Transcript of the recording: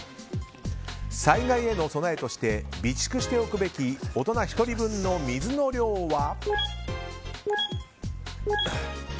災害への備えとして備蓄しておくべき大人１人分の水の量は。